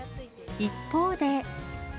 一方で。